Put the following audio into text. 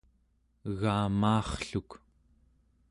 egamaarrluk